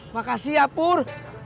makasih ya pur